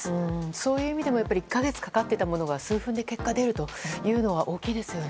そういう意味でも１か月かかっていたものが数分で結果が出るというのは大きいですよね。